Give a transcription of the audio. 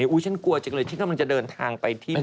อุ๊ยฉันกลัวจริงเลยฉันกำลังจะเดินทางไปที่นาว